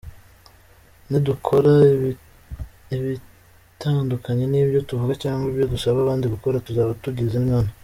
Nidukora ibitandukanye n’ibyo tuvuga cyangwa ibyo dusaba abandi gukora, tuzaba twigiza nkana.